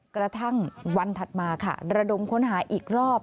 กระทั่งวันถัดมาค่ะระดมค้นหาอีกรอบ